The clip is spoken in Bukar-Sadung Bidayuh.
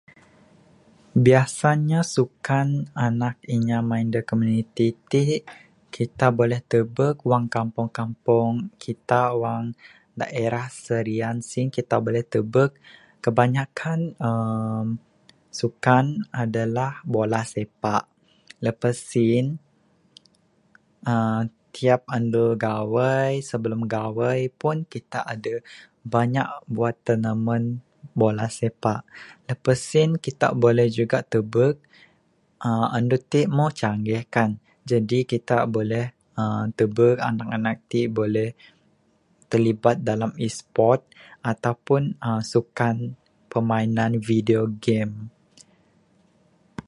Biasanya sukan anak inya da main da komuniti ti. Kita boleh tubek wang Kampung Kampung kita wang daerah serian sin kita buleh tubek kebanyakkan uhh sukan adalah bola sepak lepas sien uhh tiap andu gawai sebelum gawai pun kita adeh banyak buat tournament bola sepak. lepas sien kita juga boleh tubek uhh andu ti meh canggih kan jadi kita buleh tubek uhh Anak anak ti telibat dalam eSports ataupun uhh sukan permainan video game.